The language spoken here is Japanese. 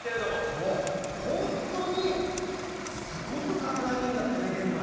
本当にすごく体にいいんだってね、玄米。